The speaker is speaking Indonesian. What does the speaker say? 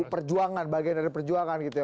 perjuangan bagian dari perjuangan gitu ya